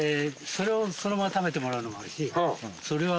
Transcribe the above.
それをそのまま食べてもらうのもあるしそれを。